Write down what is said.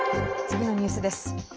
次のニュースです。